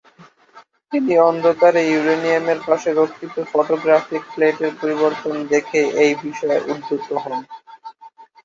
তিনি অন্ধকারে ইউরেনিয়ামের পাশে রক্ষিত ফটোগ্রাফিক প্লেটের বর্ণ পরিবর্তন দেখে এই বিষয়ে উদ্বুদ্ধ হন।